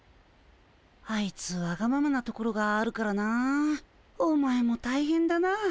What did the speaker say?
あいつわがままなところがあるからなお前も大変だな。